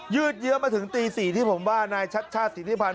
ืดเยอะมาถึงตี๔ที่ผมว่านายชัดชาติสิทธิพันธ